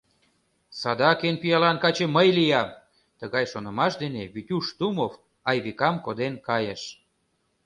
«Садак эн пиалан каче мый лиям!» — тыгай шонымаш дене Витюш Тумов Айвикам коден кайыш.